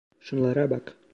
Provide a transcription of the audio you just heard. Şunlara bak.